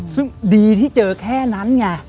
ซึ่งดีที่เจอแค่นั้นไง